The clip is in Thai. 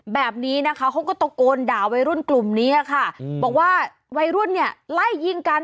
แบบนี้นะคะเขาก็ตะโกนด่าวัยรุ่นกลุ่มนี้ค่ะบอกว่าวัยรุ่นเนี่ยไล่ยิงกัน